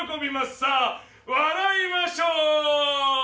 さあ、笑いましょう。